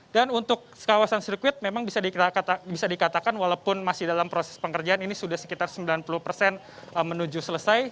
dan untuk kawasan sirkuit memang bisa dikatakan walaupun masih dalam proses pengerjaan ini sudah sekitar sembilan puluh persen menuju selesai